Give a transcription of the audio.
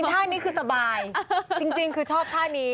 ท่านี้คือสบายจริงคือชอบท่านี้